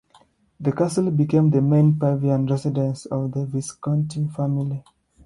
The castle became the main Pavian residence of the Visconti family.